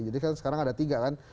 jadi kan sekarang ada tiga kan